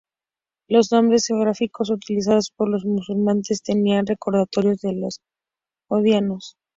Los nombres geográficos utilizados por los musulmanes tenían recordatorios de los sogdianos.